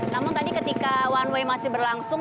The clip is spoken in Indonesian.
namun tadi ketika one way masih berlangsung